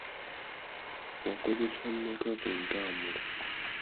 Wakozesezza mmeka ku ntambula?